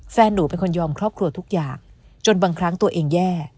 แฟนหนูเป็นคนยอมครอบครัวทุกอย่างจนบางครั้งตัวเองแย่